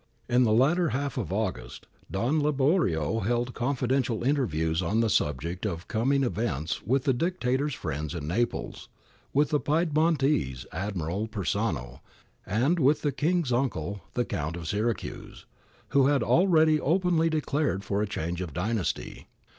In the latter half of August, Don Liborio held confidential interviews on the subject of com ing events with the Dictator's friends in Naples,^ with the Piedmontese admiral, Persano, and with the King's uncle, the Count of Syracuse, who had already openly declared for a change of dynasty.